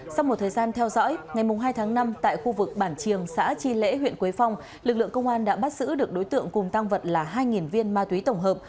sau một thời gian theo dõi ngày hai tháng năm tại khu vực bản triềng xã chi lễ huyện quế phong lực lượng công an đã bắt giữ được đối tượng cùng tăng vật là hai viên ma túy tổng hợp